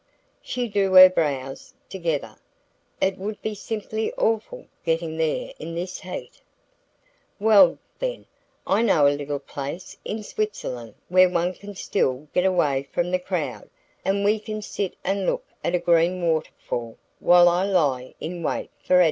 She drew her brows together. "It would be simply awful getting there in this heat." "Well, then, I know a little place in Switzerland where one can still get away from the crowd, and we can sit and look at a green water fall while I lie in wait for adjectives."